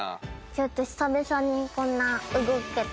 ちょっと久々にこんな動けて。